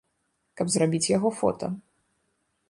Каб зрабіць яго фота.